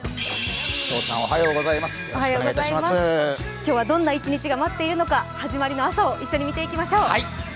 今日はどんな一日が待っているのか始まりの朝を一緒に見ていきましょう。